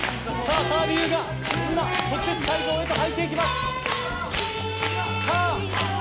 澤部佑が特設会場へと入っていきます。